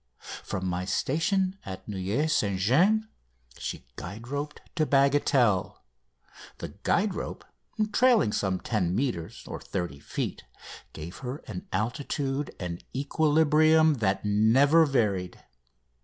From my station at Neuilly St James she guide roped to Bagatelle. The guide rope, trailing some 10 metres (30 feet), gave her an altitude and equilibrium that never varied.